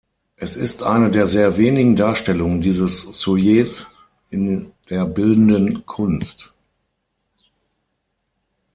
Es ist eine der sehr wenigen Darstellungen dieses Sujets in der bildenden Kunst.